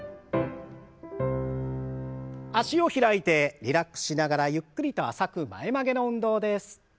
脚を開いてリラックスしながらゆっくりと浅く前曲げの運動です。